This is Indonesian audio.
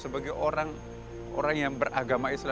sekali kita mendengar cerita segalanya